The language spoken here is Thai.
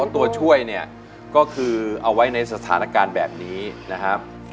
ตัวก็จะเอาไว้ในสถานการณ์แบบนี้นะครับ